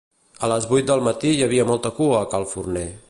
A les vuit del matí hi havia molta cua a cal forner